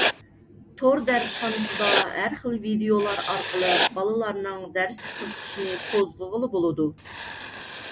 تور دەرسخانىسىدا ھەر خىل ۋىدىيولار ئارقىلىق بالىلارنىڭ دەرسكە قىزىقىشىنى قوزغىغىلى بولىدۇ.